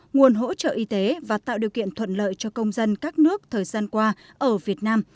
nguồn hỗ trợ y tế và tạo điều kiện thuận lợi cho công dân các nước thời gian qua ở việt nam